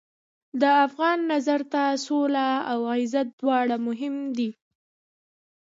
د افغان نظر ته سوله او عزت دواړه مهم دي.